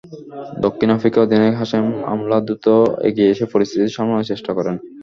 দক্ষিণ আফ্রিকা অধিনায়ক Hashim Amla দ্রুত এগিয়ে এসে পরিস্থিতি সামলানোর চেষ্টা করেন।